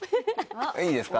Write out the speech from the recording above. いいですか？